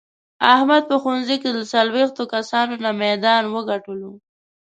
احمد په ښوونځې کې له څلوېښتو کسانو نه میدان و ګټلو.